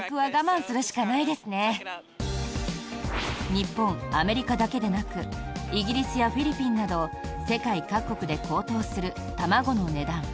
日本、アメリカだけでなくイギリスやフィリピンなど世界各国で高騰する卵の値段。